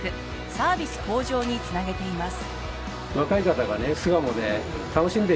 サービス向上に繋げています。